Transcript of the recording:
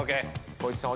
光一さん